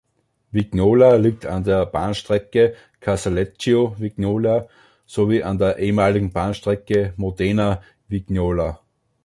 Vignola liegt an der Bahnstrecke Casalecchio–Vignola sowie an der ehemaligen Bahnstrecke Modena–Vignola.